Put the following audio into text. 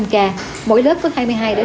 năm k mỗi lớp có hai mươi hai hai mươi bốn em